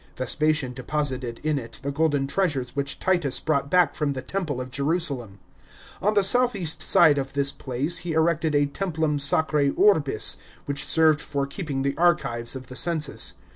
Vespasian depo. ited in it the golden treasures which Titus brought back from the temple of Jerusalem. On the south east side of this place he erected a Templum Sacrx Urbis, which served for keeping the archives of the census.